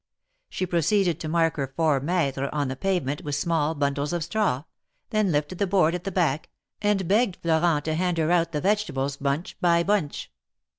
She proceeded to mark her four metres on the pavement with small bundles of straw, then lifted the board at the back, and begged Florent to hand her out the vegetables bunch by bunch.